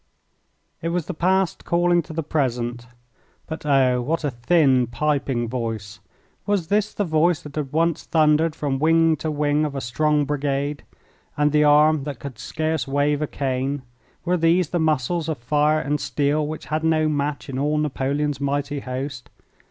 It was the past calling to the present. But oh, what a thin, piping voice! Was this the voice that had once thundered from wing to wing of a strong brigade? And the arm that could scarce wave a cane, were these the muscles of fire and steel which had no match in all Napoleon's mighty host?